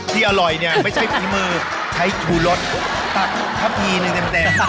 ที่อร่อยเนี่ยไม่ใช่พี่มือใช้ถูรสตักทะพีหนึ่งแปบ